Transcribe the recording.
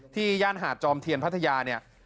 ที่ย่านหาดจอมเทียนพัทยา